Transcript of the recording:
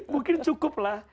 mungkin cukup lah